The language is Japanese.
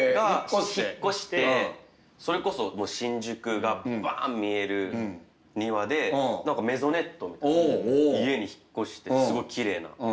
引っ越してそれこそ新宿がバン見える庭で何かメゾネットみたいな家に引っ越してすごいきれいな。